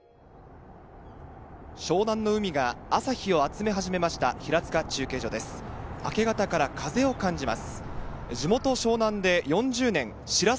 湘南の海が朝日を集め始めました平塚中継所です。